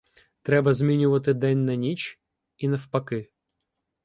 Треба змінювати день на ніч, і навпаки.